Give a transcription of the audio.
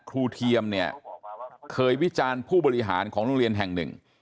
เทียมเนี่ยเคยวิจารณ์ผู้บริหารของโรงเรียนแห่งหนึ่ง